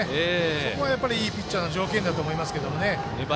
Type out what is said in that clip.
そこがやっぱりいいピッチャーの条件だと思いますけど。